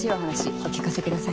お聞かせください。